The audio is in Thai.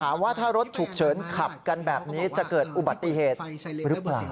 ว่าถ้ารถฉุกเฉินขับกันแบบนี้จะเกิดอุบัติเหตุหรือเปล่า